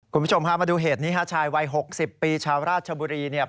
คุณผู้ชมค่ะมาดูเหตุนิฮาชายวัย๖๐ปีชาวราชบุรี